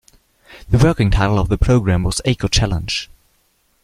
The working title of the programme was Eco-Challenge.